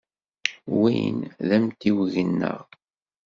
Win d amtiweg-nneɣ.